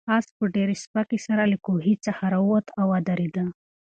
آس په ډېرې سپکۍ سره له کوهي څخه راووت او ودرېد.